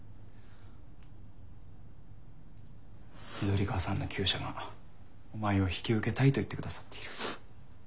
緑川さんの厩舎がお前を引き受けたいと言ってくださっている。